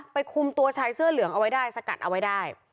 คุมตัวชายเสื้อเหลืองเอาไว้ได้สกัดเอาไว้ได้